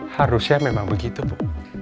harusnya memang begitu bu